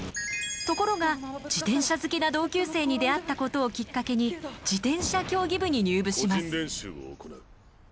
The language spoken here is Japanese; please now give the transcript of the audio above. ところが自転車好きな同級生に出会ったことをきっかけに自転車競技部に入部します。